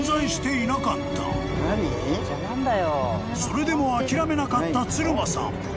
［それでも諦めなかったつるまさん］